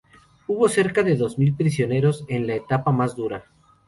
Hubo cerca de dos mil prisioneros en la etapa más dura.